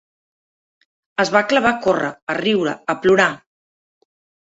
Es va clavar a córrer, a riure, a plorar.